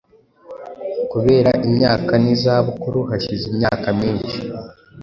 kubera imyaka n'izabukuru"hashize imyaka myinshi